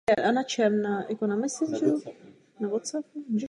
Německo tímto krokem fakticky přestalo být námořní mocností.